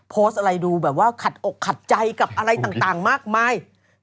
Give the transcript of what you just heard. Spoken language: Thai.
โพสต์อะไรดูแบบว่าขัดอกขัดใจกับอะไรต่างมากมาย